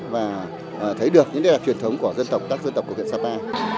và thấy được những nét đẹp truyền thống của dân tộc các dân tộc của huyện sapa